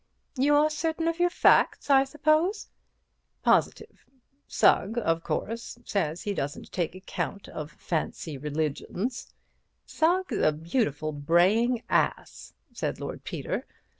"You're certain of your facts, I suppose." "Positive. Sugg, of course, says he doesn't take account of fancy religions—" "Sugg's a beautiful, braying ass," said Lord Peter.